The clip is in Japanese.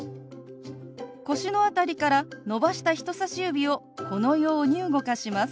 腰の辺りから伸ばした人さし指をこのように動かします。